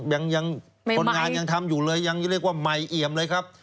ยังคนงานยังทำอยู่เลยยังเรียกว่าใหม่เอี่ยมเลยครับ